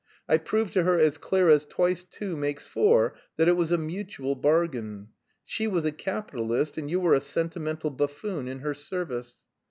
I proved to her as clear as twice two makes four that it was a mutual bargain. She was a capitalist and you were a sentimental buffoon in her service.